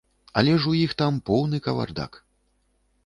Але ж у іх там поўны кавардак!